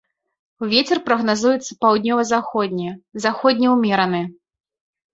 Вецер прагназуецца паўднёва-заходні, заходні ўмераны.